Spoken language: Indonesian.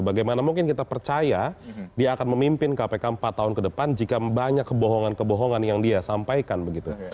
bagaimana mungkin kita percaya dia akan memimpin kpk empat tahun ke depan jika banyak kebohongan kebohongan yang dia sampaikan begitu